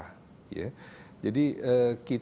jadi kita ditempatkan